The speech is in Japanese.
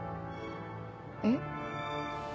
えっ？